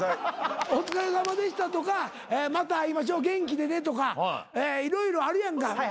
「お疲れさまでした」とか「また会いましょう元気でね」とか色々あるやんか。